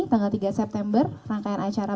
tanggal tiga september rangkaian acara